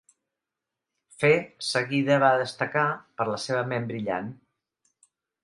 Fe seguida va destacar per la seva ment brillant.